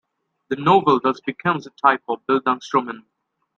The novel thus becomes a type of "Bildungsroman".